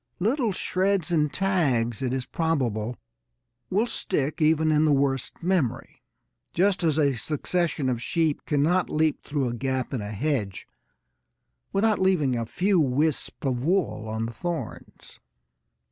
Little shreds and tags, it is probable, will stick even in the worst memory, just as a succession of sheep cannot leap through a gap in a hedge without leaving a few wisps of wool on the thorns.